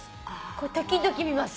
時々見ます。